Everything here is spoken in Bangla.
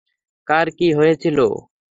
কার কী হয়েছিল?